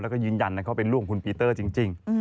แล้วก็ยืนยันนะเขาเป็นลูกของคุณปีเตอร์จริง